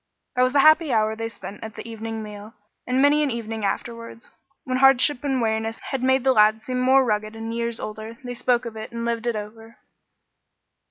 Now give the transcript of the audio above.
That was a happy hour they spent at the evening meal, and many an evening afterwards, when hardship and weariness had made the lads seem more rugged and years older, they spoke of it and lived it over.